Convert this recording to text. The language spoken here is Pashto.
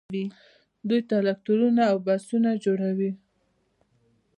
دوی ټراکټورونه او بسونه جوړوي.